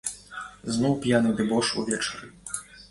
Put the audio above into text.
Зноў п'яны дэбош увечары.